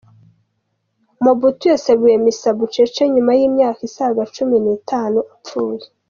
Mobutu yasabiwe misa bucece nyuma y’imyaka isaga Cumi nitanu apfuye